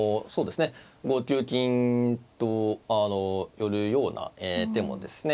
５九金と寄るような手もですね